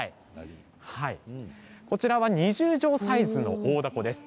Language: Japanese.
こちらは、２０畳サイズの大だこです。